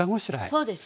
そうですね。